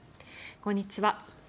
こんにちは。